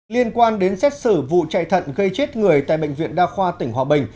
liên quan đến xét xử vụ chạy thận gây chết người tại bệnh viện đa khoa tỉnh hòa bình